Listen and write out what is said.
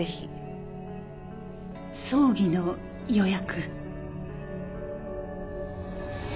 葬儀の予約。